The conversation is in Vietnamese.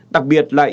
đặc biệt là y tế